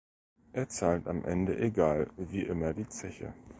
Er zahlt am Ende egal wie immer die Zeche.